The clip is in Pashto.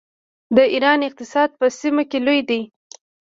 د ایران اقتصاد په سیمه کې لوی دی.